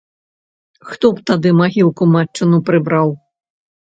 Хто б тады магілку матчыну прыбраў?